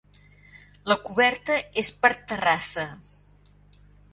La coberta és per terrassa.